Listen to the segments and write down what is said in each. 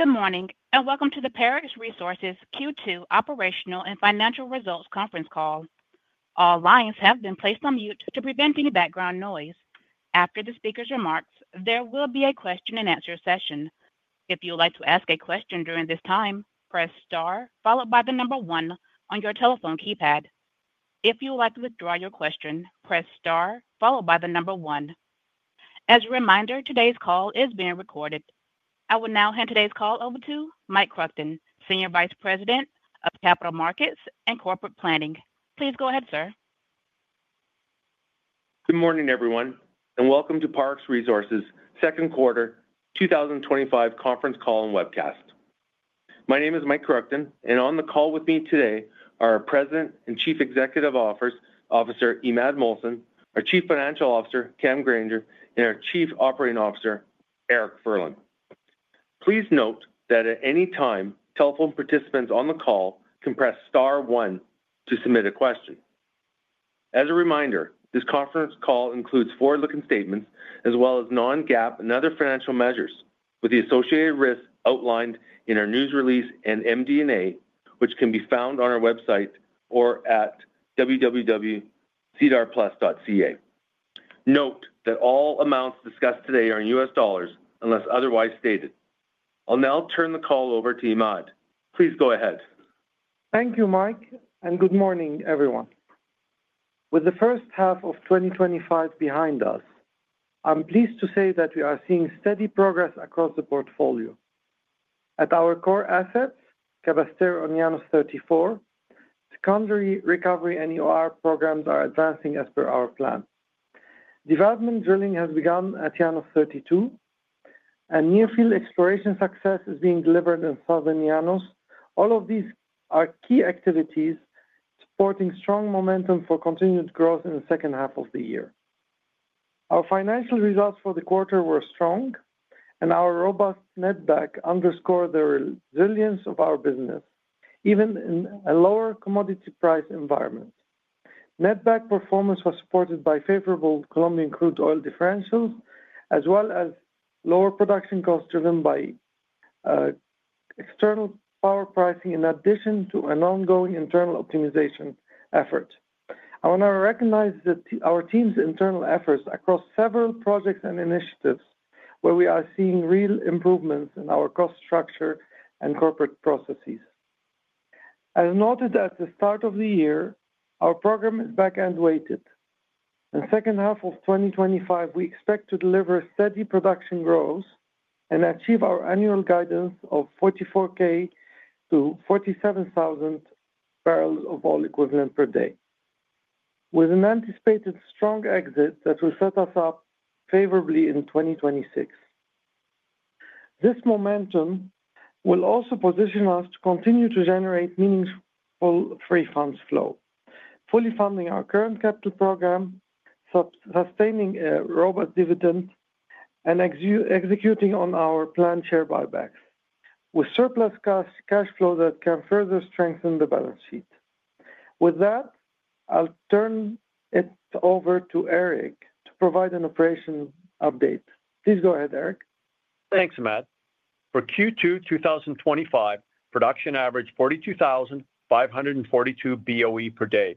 Good morning and welcome to the Parex Resources Q2 operational and financial results conference call. All lines have been placed on mute to prevent any background noise. After the speaker's remarks, there will be a question and answer session. If you would like to ask a question during this time, press star followed by the number one on your telephone keypad. If you would like to withdraw your question, press star followed by the number one. As a reminder, today's call is being recorded. I will now hand today's call over to Mike Kruchten, Senior Vice President of Capital Markets and Corporate Planning. Please go ahead, sir. Good morning, everyone, and welcome to Parex Resources' second quarter 2025 conference call and webcast. My name is Mike Kruchten, and on the call with me today are our President and Chief Executive Officer, Imad Mohsen, our Chief Financial Officer, Cameron Grainger, and our Chief Operating Officer, Eric Furlan. Please note that at any time, telephone participants on the call can press star one to submit a question. As a reminder, this conference call includes forward-looking statements, as well as non-GAAP and other financial measures with the associated risks outlined in our news release and MD&A, which can be found on our website or at www.sedarplus.ca. Note that all amounts discussed today are in US dollars unless otherwise stated. I'll now turn the call over to Imad. Please go ahead. Thank you, Mike, and good morning, everyone. With the first half of 2025 behind us, I'm pleased to say that we are seeing steady progress across the portfolio. At our core assets, Cabrestero and Llanos 34, secondary recovery and EOR programs are advancing as per our plan. Development drilling has begun at Llanos 32, and near-field exploration success is being delivered in Southern Llanos. All of these are key activities supporting strong momentum for continued growth in the second half of the year. Our financial results for the quarter were strong, and our robust netback underscored the resilience of our business, even in a lower commodity price environment. Netback performance was supported by favorable Colombian crude oil differentials, as well as lower production costs driven by external power pricing, in addition to an ongoing internal optimization effort. I want to recognize our team's internal efforts across several projects and initiatives where we are seeing real improvements in our cost structure and corporate processes. As noted at the start of the year, our program is back-end weighted. In the second half of 2025, we expect to deliver steady production growth and achieve our annual guidance of 24,000-47,000 barrels of oil equivalent per day, with an anticipated strong exit that will set us up favorably in 2026. This momentum will also position us to continue to generate meaningful free funds flow, fully funding our current capital program, sustaining a robust dividend, and executing on our planned share buybacks with surplus cash flow that can further strengthen the balance sheet. With that, I'll turn it over to Eric to provide an operations update. Please go ahead, Eric. Thanks, Imad. For Q2 2025, production averaged 42,542 BOE per day.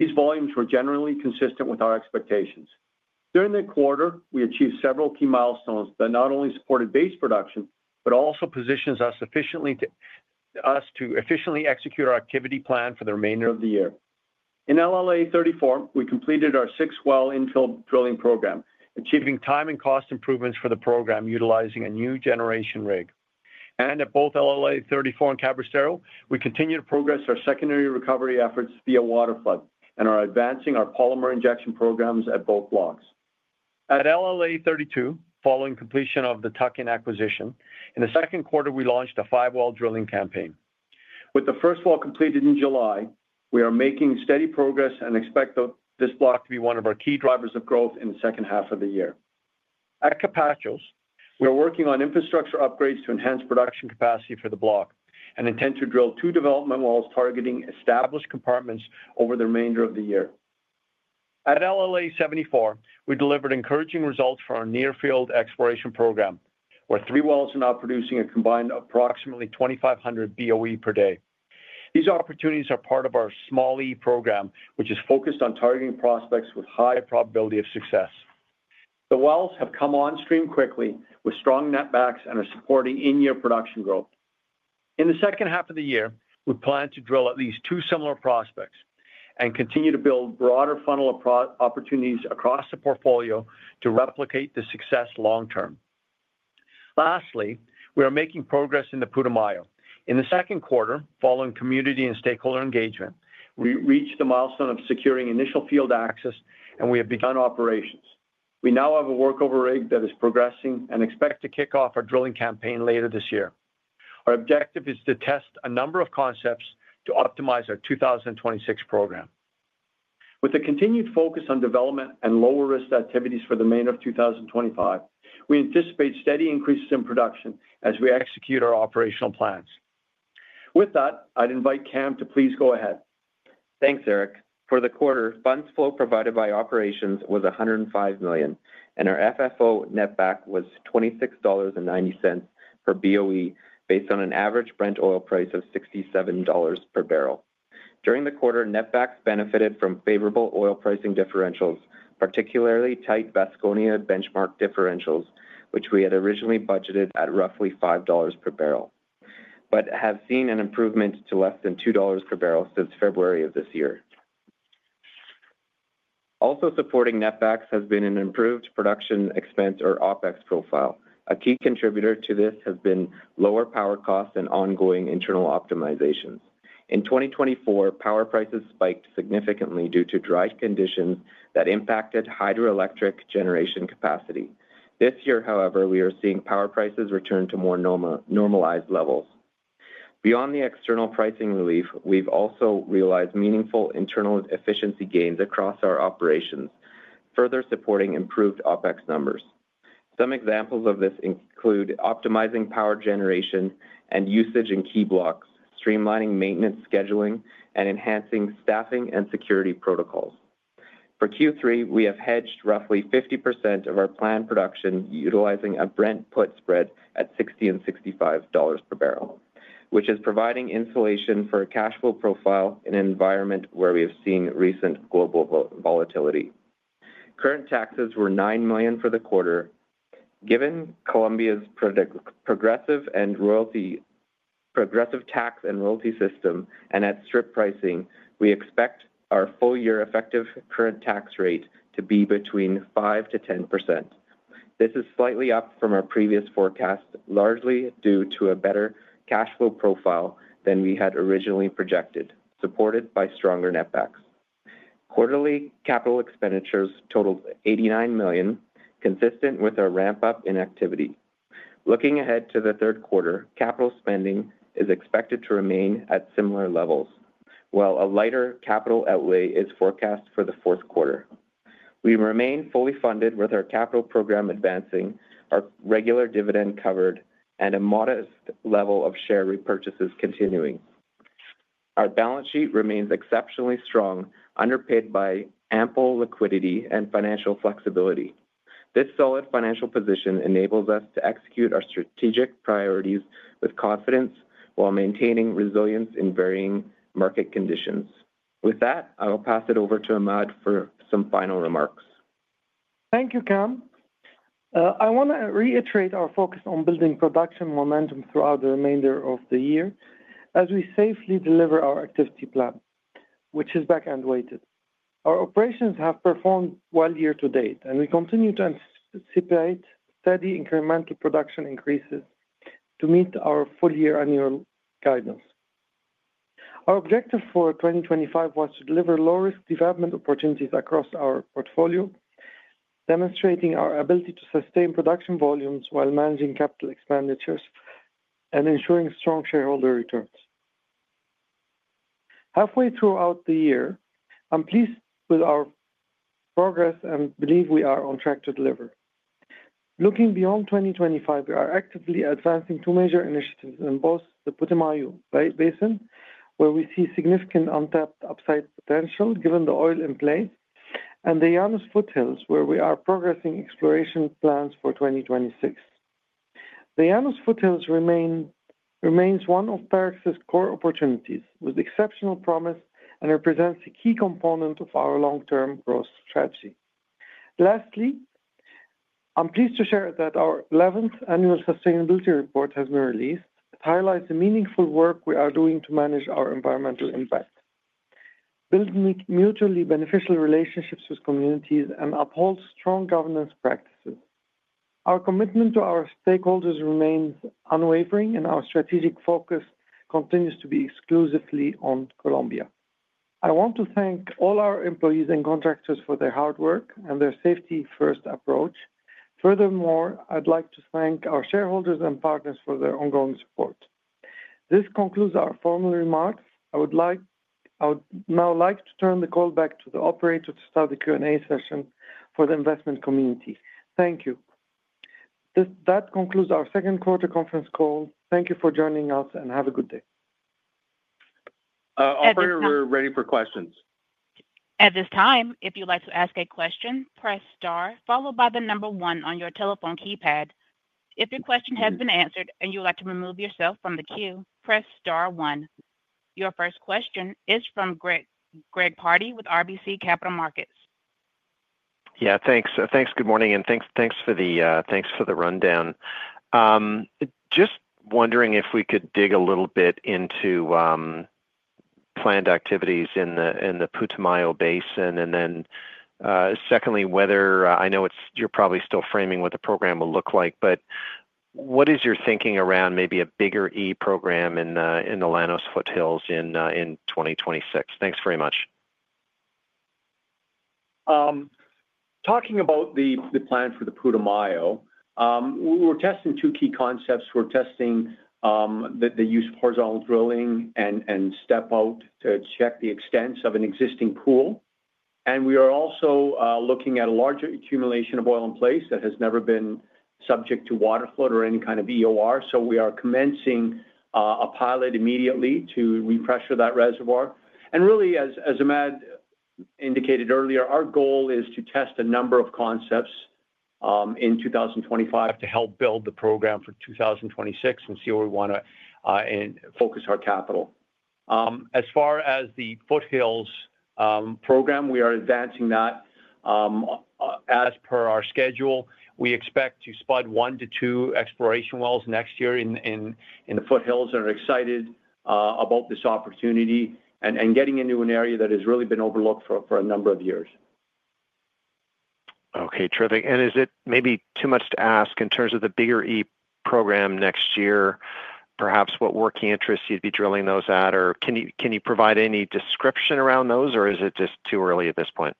These volumes were generally consistent with our expectations. During the quarter, we achieved several key milestones that not only supported base production but also positioned us to efficiently execute our activity plan for the remainder of the year. In LLA 34, we completed our six-well infill drilling program, achieving time and cost improvements for the program utilizing a new generation rig. At both LLA 34 and Cabrestero, we continued to progress our secondary recovery efforts via waterflood and are advancing our polymer injection programs at both blocks. At LLA 32, following completion of the tuck-in acquisition in the second quarter, we launched a five-well drilling campaign. With the first well completed in July, we are making steady progress and expect this block to be one of our key drivers of growth in the second half of the year. At Capachos, we are working on infrastructure upgrades to enhance production capacity for the block and intend to drill two development wells targeting established compartments over the remainder of the year. At LLA 74, we delivered encouraging results for our near-field exploration program, where three wells are now producing a combined approximately 2,500 BOE per day. These opportunities are part of our Small E program, which is focused on targeting prospects with high probability of success. The wells have come on stream quickly with strong netbacks and are supporting in-year production growth. In the second half of the year, we plan to drill at least two similar prospects and continue to build a broader funnel of opportunities across the portfolio to replicate the success long term. Lastly, we are making progress in the Putumayo. In the second quarter, following community and stakeholder engagement, we reached the milestone of securing initial field access, and we have begun operations. We now have a workover rig that is progressing and expect to kick off our drilling campaign later this year. Our objective is to test a number of concepts to optimize our 2026 program. With a continued focus on development and lower risk activities for the remainder of 2025, we anticipate steady increases in production as we execute our operational plans. With that, I'd invite Cam to please go ahead. Thanks, Eric. For the quarter, funds flow provided by operations was $105 million, and our FFO netback was $26.90 per BOE based on an average Brent oil price of $67 per barrel. During the quarter, netbacks benefited from favorable oil pricing differentials, particularly tight Vasconia benchmark differentials, which we had originally budgeted at roughly $5 per barrel, but have seen an improvement to less than $2 per barrel since February of this year. Also supporting netbacks has been an improved production expense or OpEx profile. A key contributor to this has been lower power costs and ongoing internal optimizations. In 2024, power prices spiked significantly due to dry conditions that impacted hydroelectric generation capacity. This year, however, we are seeing power prices return to more normalized levels. Beyond the external pricing relief, we've also realized meaningful internal efficiency gains across our operations, further supporting improved OpEx numbers. Some examples of this include optimizing power generation and usage in key blocks, streamlining maintenance scheduling, and enhancing staffing and security protocols. For Q3, we have hedged roughly 50% of our planned production utilizing a Brent put spread at $60 and $65 per barrel, which is providing insulation for a cash flow profile in an environment where we have seen recent global volatility. Current taxes were $9 million for the quarter. Given Colombia's progressive tax and royalty system and at strip pricing, we expect our full year effective current tax rate to be between 5%-10%. This is slightly up from our previous forecast, largely due to a better cash flow profile than we had originally projected, supported by stronger netbacks. Quarterly capital expenditures totaled $89 million, consistent with our ramp-up in activity. Looking ahead to the third quarter, capital spending is expected to remain at similar levels, while a lighter capital outlay is forecast for the fourth quarter. We remain fully funded with our capital program advancing, our regular dividend covered, and a modest level of share repurchases continuing. Our balance sheet remains exceptionally strong, underpinned by ample liquidity and financial flexibility. This solid financial position enables us to execute our strategic priorities with confidence while maintaining resilience in varying market conditions. With that, I will pass it over to Imad for some final remarks. Thank you, Cam. I want to reiterate our focus on building production momentum throughout the remainder of the year as we safely deliver our activity plan, which is back-end weighted. Our operations have performed well year to date, and we continue to anticipate steady incremental production increases to meet our full year annual guidance. Our objective for 2025 was to deliver low-risk development opportunities across our portfolio, demonstrating our ability to sustain production volumes while managing capital expenditures and ensuring strong shareholder returns. Halfway throughout the year, I'm pleased with our progress and believe we are on track to deliver. Looking beyond 2025, we are actively advancing two major initiatives in both the Putumayo Basin, where we see significant untapped upside potential given the oil in place, and the Llanos foothills, where we are progressing exploration plans for 2026. The Llanos foothills remains one of Parex Resources' core opportunities with exceptional promise and represents a key component of our long-term growth strategy. Lastly, I'm pleased to share that our 11th annual sustainability report has been released. It highlights the meaningful work we are doing to manage our environmental impact, build mutually beneficial relationships with communities, and uphold strong governance practices. Our commitment to our stakeholders remains unwavering, and our strategic focus continues to be exclusively on Colombia. I want to thank all our employees and contractors for their hard work and their safety-first approach. Furthermore, I'd like to thank our shareholders and partners for their ongoing support. This concludes our formal remarks. I would now like to turn the call back to the operator to start the Q&A session for the investment community. Thank you. That concludes our second quarter conference call. Thank you for joining us and have a good day. Operator, we're ready for questions. At this time, if you'd like to ask a question, press star followed by the number one on your telephone keypad. If your question has been answered and you'd like to remove yourself from the queue, press star one. Your first question is from Greg Pardy with RBC Capital Markets. Thanks. Good morning and thanks for the rundown. Just wondering if we could dig a little bit into planned activities in the Putumayo Basin and then secondly, whether I know you're probably still framing what the program will look like, but what is your thinking around maybe a bigger E program in the Llanos foothills in 2026? Thanks very much. Talking about the plan for the Putumayo, we're testing two key concepts. We're testing the use of horizontal drilling and step out to check the extents of an existing pool. We are also looking at a larger accumulation of oil in place that has never been subject to waterflood or any kind of EOR. We are commencing a pilot immediately to repressure that reservoir. As Imad indicated earlier, our goal is to test a number of concepts in 2025 to help build the program for 2026 and see where we want to focus our capital. As far as the foothills program, we are advancing that as per our schedule. We expect to spud one to two exploration wells next year in the foothills and are excited about this opportunity and getting into an area that has really been overlooked for a number of years. Okay, terrific. Is it maybe too much to ask in terms of the bigger E program next year? Perhaps what working interests you'd be drilling those at, or can you provide any description around those, or is it just too early at this point?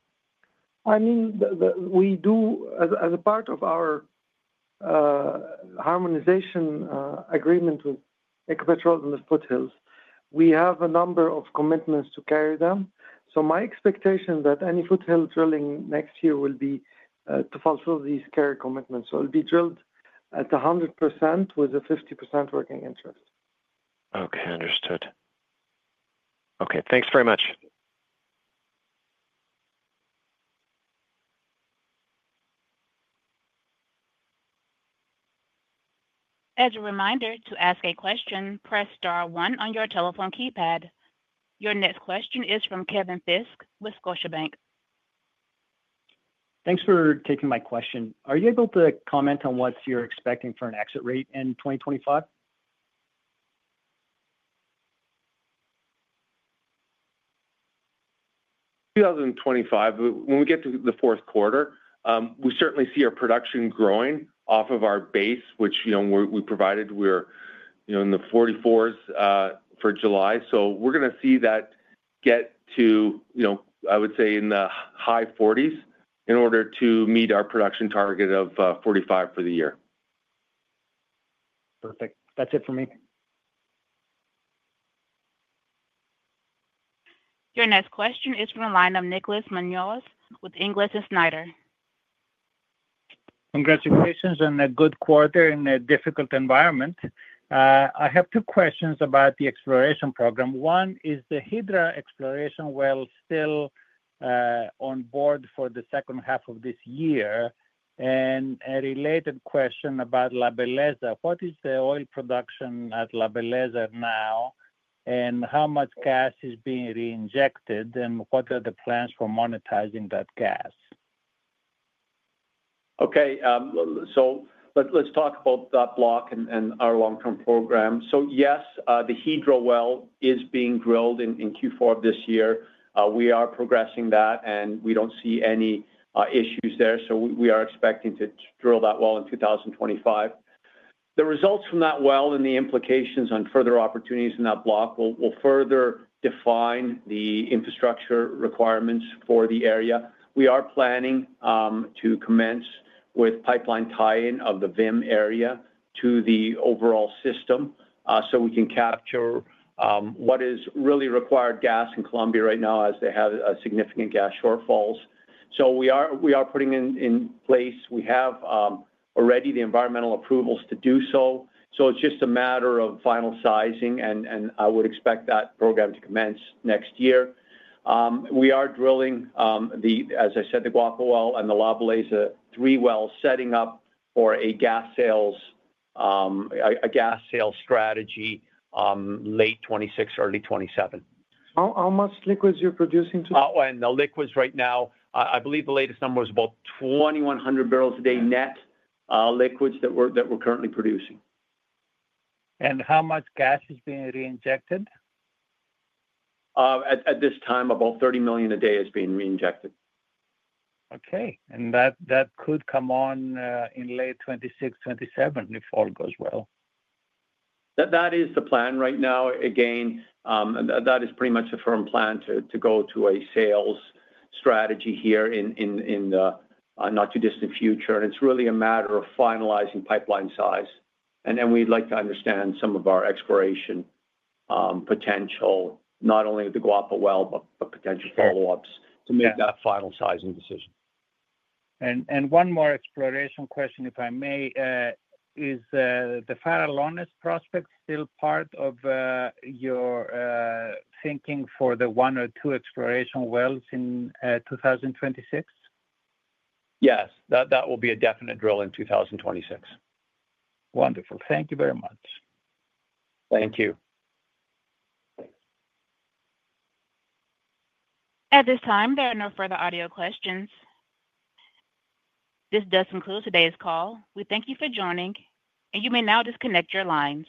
I mean, we do, as a part of our harmonization agreement with Ecopetrol in the foothills, have a number of commitments to carry them. My expectation is that any foothill drilling next year will be to fulfill these carry commitments. It'll be drilled at 100% with a 50% working interest. Okay, understood. Okay, thanks very much. As a reminder, to ask a question, press star one on your telephone keypad. Your next question is from Kevin Fisk with Scotiabank. Thanks for taking my question. Are you able to comment on what you're expecting for an exit rate in 2025? 2025, when we get to the fourth quarter, we certainly see our production growing off of our base, which, you know, we provided. We're in the 44s for July. We're going to see that get to, I would say, in the high 40s in order to meet our production target of 45 for the year. Perfect. That's it for me. Your next question is from the line of Nicholas Manolis with Ingalls & Snyder. Congratulations on a good quarter in a difficult environment. I have two questions about the exploration program. One, is the Hydra exploration well still on board for the second half of this year, and a related question about La Belleza. What is the oil production at La Belleza now, and how much gas is being reinjected, and what are the plans for monetizing that gas? Okay, let's talk about that block and our long-term program. Yes, the Hydra well is being drilled in Q4 of this year. We are progressing that, and we don't see any issues there. We are expecting to drill that well in 2025. The results from that well and the implications on further opportunities in that block will further define the infrastructure requirements for the area. We are planning to commence with pipeline tie-in of the VIM area to the overall system so we can capture what is really required gas in Colombia right now as they have significant gas shortfalls. We are putting in place. We have already the environmental approvals to do so. It's just a matter of final sizing, and I would expect that program to commence next year. We are drilling the, as I said, the Guapa well and the La Belleza three wells, setting up for a gas sales strategy late 2026, early 2027. How much liquids are you producing? The liquids right now, I believe the latest number was about 2,100 barrels a day net liquids that we're currently producing. How much gas is being reinjected? At this time, about 30 million a day is being reinjected. Okay, that could come on in late 2026, 2027, if all goes well. That is the plan right now. That is pretty much a firm plan to go to a sales strategy here in the not-too-distant future. It's really a matter of finalizing pipeline size. We'd like to understand some of our exploration potential, not only with the Guapa well, but potential follow-ups to make that final sizing decision. Is the Farallones prospect still part of your thinking for the one or two exploration wells in 2026? Yes, that will be a definite drill in 2026. Wonderful. Thank you very much. Thank you. At this time, there are no further audio questions. This does conclude today's call. We thank you for joining, and you may now disconnect your lines.